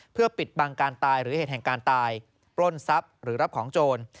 เพื่อปิดบังการตายหรือเหตุแห่งการตายปล้นทรัพย์หรือรับของโจร